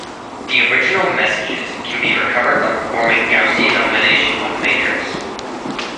The original messages can be recovered by performing Gaussian elimination on the matrix.